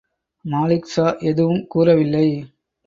மாலிக்ஷா எதுவும் கூறவில்லை.